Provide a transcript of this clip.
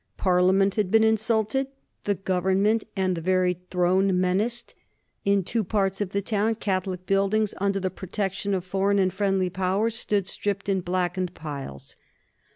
Parliament had been insulted, the Government and the very Throne menaced. In two parts of the town Catholic buildings, under the protection of foreign and friendly Powers, stood stripped and blackened piles.